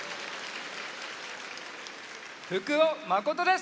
福尾誠です！